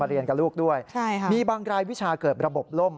เรียนกับลูกด้วยใช่ค่ะมีบางรายวิชาเกิดระบบล่ม